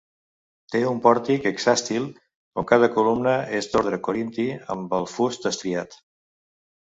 Té un pòrtic hexàstil, on cada columna és d'ordre corinti, amb el fust estriat.